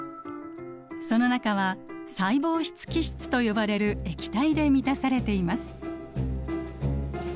その中は細胞質基質と呼ばれる液体で満たされています。